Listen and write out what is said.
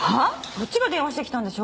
そっちが電話してきたんでしょ！